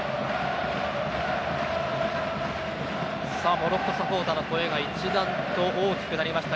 モロッコサポーターの声が一段と大きくなりました。